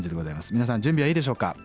皆さん準備はいいでしょうか？